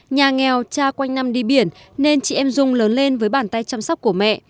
nhà nghèo cha quanh năm đi biển nên chị em dung lớn lên với bàn tay chăm sóc của mẹ